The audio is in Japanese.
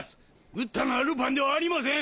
撃ったのはルパンではありません。